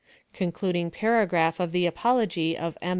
Concluding paragraph of the apology of M.